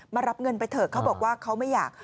รับเงินไปเถอะเขาบอกว่าเขาไม่อยาก